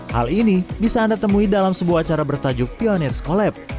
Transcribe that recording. hal ini bisa anda temui dalam sebuah acara bertajuk pionir scholab